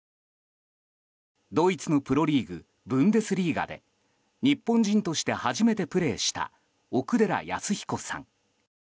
ドイツのプロリーグブンデスリーガで日本人として初めてプレーした奥寺康彦さん。